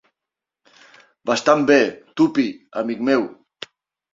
Bastant bé, Tuppy, amic meu.